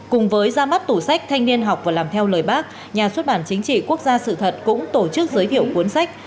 cùng với ra mắt tủ sách thanh niên học và làm theo lời bác nhà xuất bản chính trị quốc gia sự thật cũng tổ chức giới thiệu cuốn sách